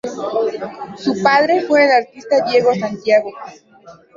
Su padre fue el artista Diego Santiago.